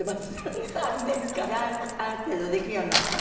ある程度できるようになったの？